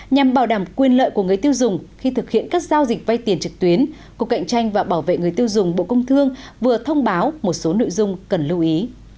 nhằm bảo đảm quyền lợi của người tiêu dùng khi thực hiện các giao dịch vay tiền trực tuyến cục cạnh tranh và bảo vệ người tiêu dùng bộ công thương vừa thông báo một số nội dung cần lưu ý